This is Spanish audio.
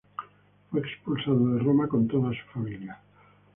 Fue expulsado de Roma con toda su familia.